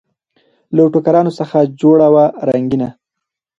له ټوکرانو څخه جوړه وه رنګینه